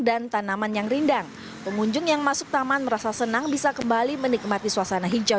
dan tanaman yang rindang pengunjung yang masuk taman merasa senang bisa kembali menikmati suasana hijau